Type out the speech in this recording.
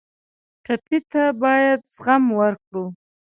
ټپي ته باید زغم ورکړو.